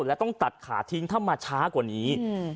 และต้องตัดขาทิ้งถ้ามาช้ากว่านี้